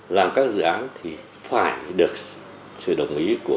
làm các dự án thì phải được sự đồng ý của